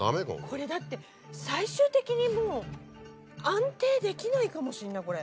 これだって最終的にもう安定できないかもしんないこれ。